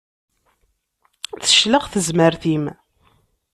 Teclex tezmert-im.